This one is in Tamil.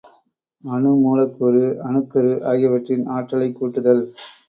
அணு மூலக்கூறு, அணுக்கரு ஆகியவற்றின் ஆற்றலைக் கூட்டுதல்.